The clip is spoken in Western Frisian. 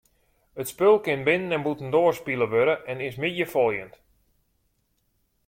It spul kin binnen- en bûtendoar spile wurde en is middeifoljend.